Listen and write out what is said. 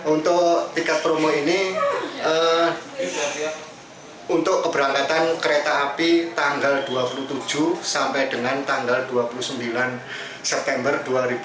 untuk tiket promo ini untuk keberangkatan kereta api tanggal dua puluh tujuh sampai dengan tanggal dua puluh sembilan september dua ribu dua puluh